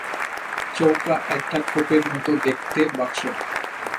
চৌকো একটা খোপের মতো দেখতে বাক্সটা।